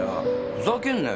ふざけんなよ。